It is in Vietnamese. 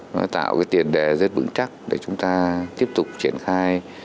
nó tạo cái tiền đề rất vững chắc để chúng ta tiếp tục triển khai